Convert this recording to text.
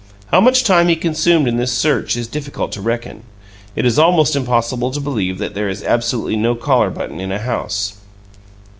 How much time he consumed in this search is difficult to reckon; it is almost impossible to believe that there is absolutely no collar button in a house.